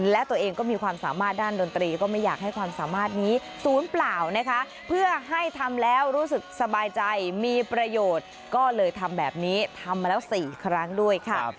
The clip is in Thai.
และตัวเองก็มีความสามารถด้านดนตรีก็ไม่อยากให้ความสามารถนี้สูญเปล่านะคะ